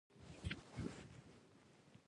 • هر څوک چې یوه ورځ مري.